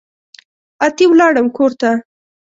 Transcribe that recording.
اتي ولاړم کورته